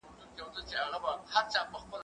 زه اجازه لرم چي زدکړه وکړم!